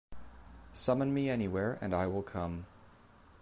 Summon me anywhere, and I will come.